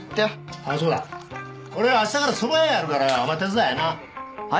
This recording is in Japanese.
あぁそうだ俺明日からそば屋やるからよお前手伝えなっはい？